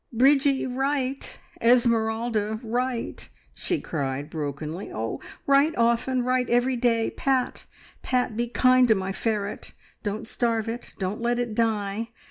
"Bridgie, write! Esmeralda, write!" she cried brokenly. "Oh, write often! Write every day. Pat, Pat, be kind to my ferret. Don't starve it. Don't let it die.